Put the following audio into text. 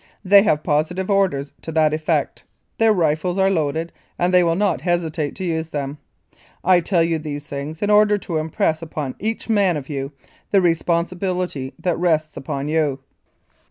They have positive orders to that effect. Their rifles are loaded and they will not hesitate to use them. I tell you these things in order to impress upon each man of you the responsibility that rests upon you.